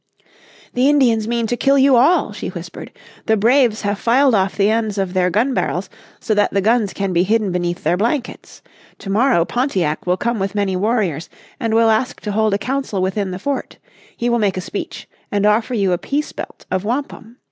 "The Indians mean to kill you all," she whispered; "the braves have filed off the ends of their gun barrels so that the guns can be hidden beneath their blankets. Tomorrow Pontiac will come with many warriors, and will ask to hold a Council within the fort. He will make a speech, and offer you a peace belt of wampum.